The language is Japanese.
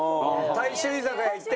大衆居酒屋行って？